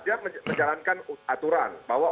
dia menjalankan aturan bahwa